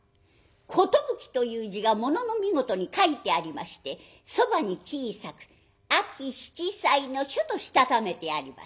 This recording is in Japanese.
「寿」という字が物の見事に書いてありましてそばに小さく「秋七歳の書」としたためてあります。